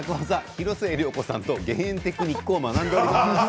広末涼子さんと減塩テクニックを学んでいます。